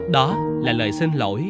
đó là lời xin lỗi